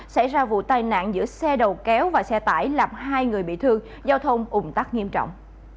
xảy ra vụ tai nạn giữa xe đầu kéo và xe tải làm hai người bị thương giao thông ủng tắc nghiêm trọng